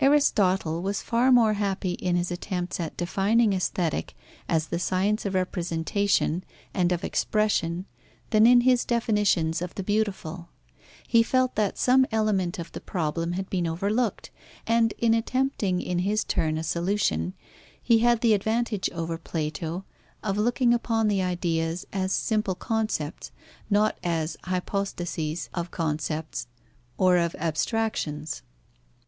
Aristotle was far more happy in his attempts at defining Aesthetic as the science of representation and of expression than in his definitions of the beautiful. He felt that some element of the problem had been overlooked, and in attempting in his turn a solution, he had the advantage over Plato of looking upon the ideas as simple concepts, not as hypostases of concepts or of abstractions.